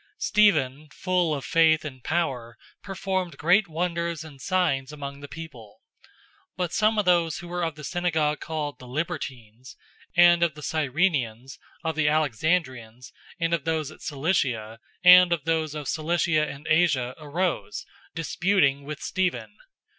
006:008 Stephen, full of faith and power, performed great wonders and signs among the people. 006:009 But some of those who were of the synagogue called "The Libertines," and of the Cyrenians, of the Alexandrians, and of those of Cilicia and Asia arose, disputing with Stephen.